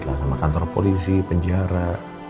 sama kantor polisi penjara